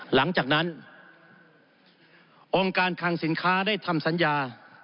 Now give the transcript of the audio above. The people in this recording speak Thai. หลังจากนั้นองค์การคังสินค้าได้ทำสัญญา